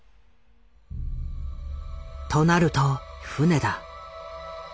となると船だ。